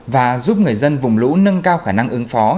và giúp người dân vùng lũ nâng cao khả năng ứng phó